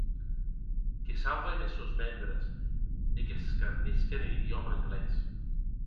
Que sauven es sòns membres, e qu’escarnisquen er idiòma anglés.